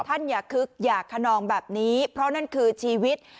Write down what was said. อย่าคึกอย่าขนองแบบนี้เพราะนั่นคือชีวิต